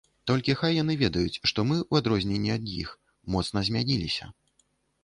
Толькі хай яны ведаюць, што мы, у адрозненні ад іх, моцна змяніліся.